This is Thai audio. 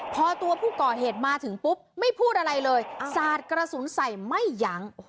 พอตัวผู้ก่อเหตุมาถึงปุ๊บไม่พูดอะไรเลยสาดกระสุนใส่ไม่ยั้ง